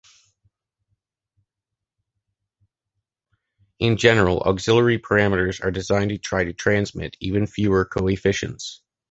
In general, auxiliary parameters are designed to try to transmit even fewer coefficients.